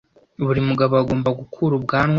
buri mugabo agomba Gukura ubwanwa